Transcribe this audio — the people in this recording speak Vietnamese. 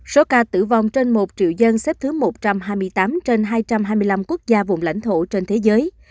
số ca tử vong trên một triệu dân xếp thứ một trăm hai mươi tám trên hai trăm hai mươi năm quốc gia vùng lãnh thổ trên thế giới